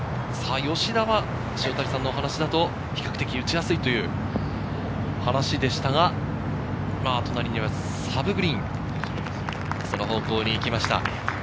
吉田は比較的打ちやすいという話でしたが、隣にはサブグリーン、その方向に行きました。